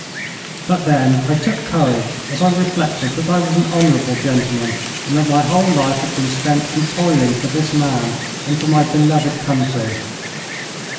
But then I took courage as I reflected that I was an honourable gentleman, and that my whole life had been spent in toiling for this man and for my beloved country.